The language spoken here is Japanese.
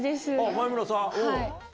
眉村さん。